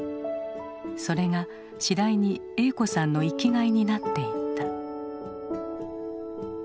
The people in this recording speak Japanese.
それが次第に栄子さんの生きがいになっていった。